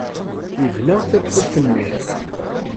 Yebna tawwurt-nni.